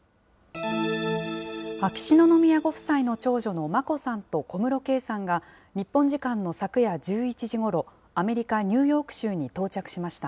秋篠宮ご夫妻の長女の眞子さんと小室圭さんが、日本時間の昨夜１１時ごろ、アメリカ・ニューヨーク州に到着しました。